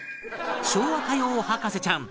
昭和歌謡博士ちゃん